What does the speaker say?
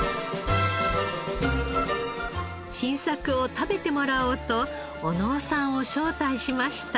新作を食べてもらおうと小野尾さんを招待しました。